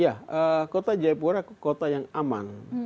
ya kota jayapura kota yang aman